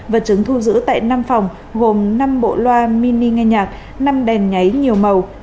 vật chứng thu giữ tại năm phòng gồm năm bộ loa mini nghe nhạc năm đèn nháy nhiều màu